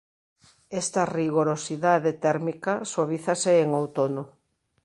Esta rigorosidade térmica suavízase en outono.